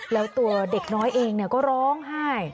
แล้วตัวเด็กน้อยเองก็ร้องไห้